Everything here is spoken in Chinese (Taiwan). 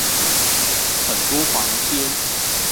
很多房間